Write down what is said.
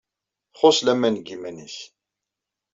Txuṣṣ laman deg yiman-nnes.